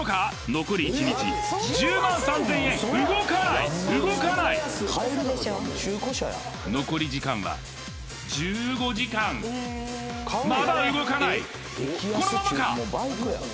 残り１日１０万３０００円動かない動かない残り時間は１５時間まだ動かないこのままか！？